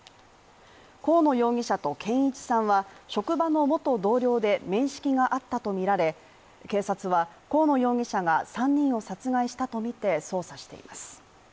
河野容疑者と健一さんは職場の元同僚で面識があったとみられ警察は河野容疑者が３人を殺害したとみて捜査しています。